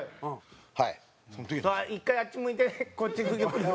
１回あっち向いてこっち。